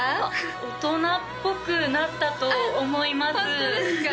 大人っぽくなったと思いますホントですか？